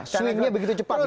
swingnya begitu cepat